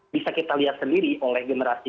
bisa kita lihat sendiri oleh generasi